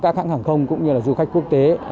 các hãng hàng không cũng như là du khách quốc tế